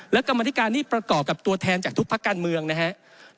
และกรรมธิการนี้ประกอบกับตัวแทนจากทุกพักการเมืองนะครับ